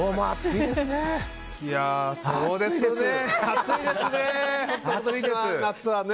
いや、そうですね。